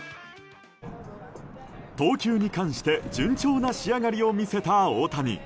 投球に関して順調な仕上がりを見せた大谷。